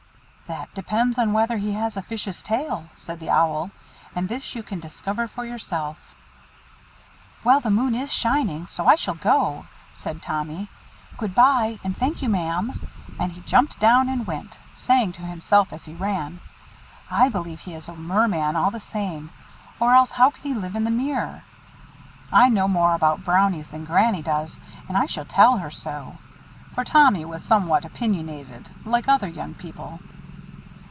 "That depends on whether he has a fish's tail," said the Owl, "and this you can discover for yourself." "Well, the moon is shining, so I shall go," said Tommy. "Good bye, and thank you, Ma'am;" and he jumped down and went, saying to himself as he ran, "I believe he is a merman all the same, or else how could he live in the mere? I know more about Brownies than Granny does, and I shall tell her so;" for Tommy was somewhat opinionated, like other young people.